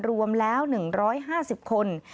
รวมแล้ว๑๕๐คน